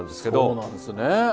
そうなんですね。